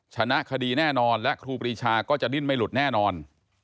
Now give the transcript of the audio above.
ชนะคดีแน่นอนและครูปรีชาก็จะดิ้นไม่หลุดแน่นอน